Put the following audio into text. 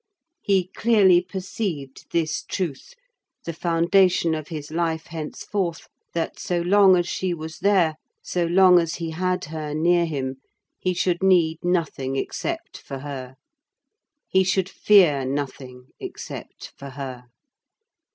He clearly perceived this truth, the foundation of his life henceforth, that so long as she was there, so long as he had her near him, he should need nothing except for her, he should fear nothing except for her.